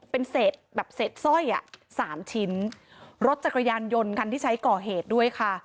เป็นเศษแบบเศษสร้อยอ่ะสามชิ้นรถจักรยานยนต์คันที่ใช้ก่อเหตุด้วยค่ะ